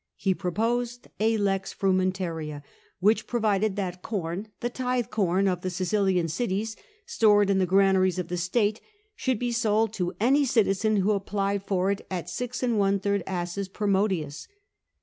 He proposed a lex frumentaria^ which provided that corn — the tithe com of the Sicilian cities stored in the granaries of the state — should be sold to any citizen who applied for it at 6J asses per modius.